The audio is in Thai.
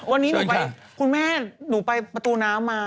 วันนี้หนูไปคุณแม่หนูไปประตูน้ำมา